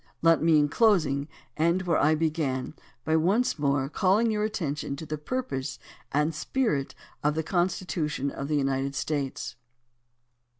. Let me in closing end where I began by once more calling your attention to the purpose and spirit of the Constitution of the United States.